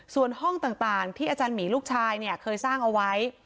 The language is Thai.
ส่วนห้องต่างที่อาจารย์หมีลูกชายเคยสร้างเอาไว้